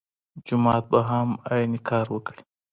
جومات به هم عین کار وکړي.